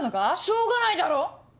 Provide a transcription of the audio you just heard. しょうがないだろ！